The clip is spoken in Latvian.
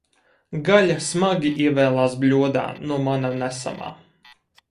Gaļa smagi ievēlās bļodā no mana nesamā.